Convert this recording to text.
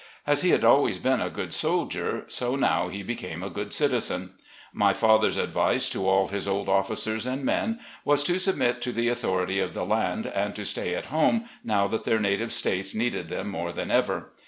As he had always been a good soldier, so now he became a good citizen. My father's advice to all his old officers and men was to submit to the authority of the land and to stay at home, now that their native States needed them more than ever.